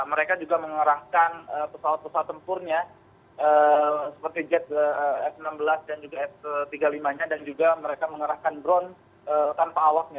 mereka juga mengerahkan pesawat pesawat tempurnya seperti jet f enam belas dan juga f tiga puluh lima nya dan juga mereka mengerahkan drone tanpa awaknya